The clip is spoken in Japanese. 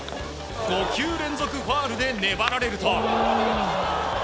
５球連続ファウルで粘られると。